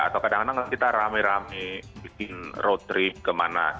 atau kadang kadang kita rame rame bikin road trip kemana